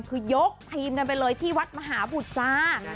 คือยกทีมกันไปเลยที่วัดมหาบุตรจ้า